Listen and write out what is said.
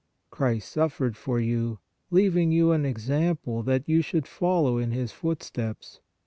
" Christ suffered for us, leaving you an example that you should follow in His footsteps